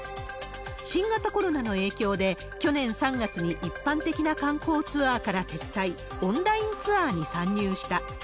新型コロナの影響で、去年３月に一般的な観光ツアーから撤退、オンラインツアーに参入した。